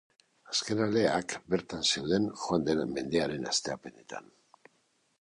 Azken aleak bertan zeuden joan den mendearen hastapenetan.